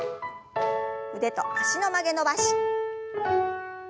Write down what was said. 腕と脚の曲げ伸ばし。